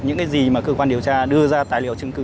những cái gì mà cơ quan điều tra đưa ra tài liệu chứng cứ